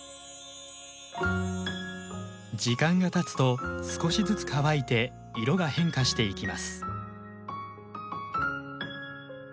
時間がたつと少しずつ乾いて色が変化していきます。